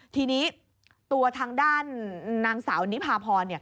ทีนี้ตัวทางด้านนางสาวนิพาพร